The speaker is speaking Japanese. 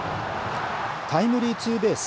タイムリーツーベース。